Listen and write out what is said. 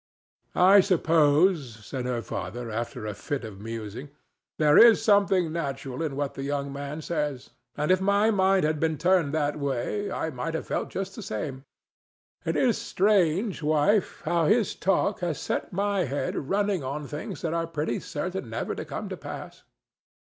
"I suppose," said her father, after a fit of musing, "there is something natural in what the young man says; and if my mind had been turned that way, I might have felt just the same.—It is strange, wife, how his talk has set my head running on things that are pretty certain never to come to pass."